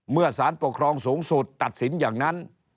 สารปกครองสูงสุดตัดสินอย่างนั้น